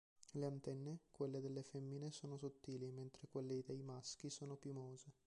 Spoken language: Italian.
Le antenne: quelle delle femmine sono sottili, mentre quelli dei maschi sono piumose.